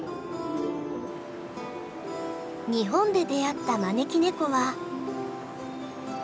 日本で出会ったまねきねこは。